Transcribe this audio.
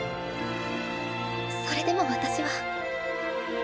それでも私は。